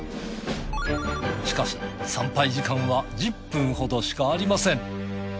しかし参拝時間は１０分ほどしかありません。